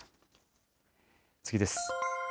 次です。